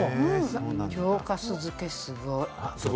京粕漬け、すごい。